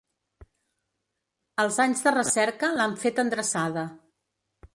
Els anys de recerca l'han fet endreçada.